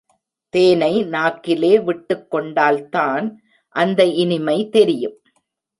தேனை நாக்கிலே விட்டுக் கொண்டால்தான் அந்த இனிமை தெரியும்.